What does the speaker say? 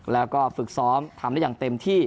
แล้วก็ฝึกซ้อมทำได้อย่างเต็มที่